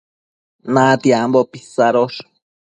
natiambo pisadosh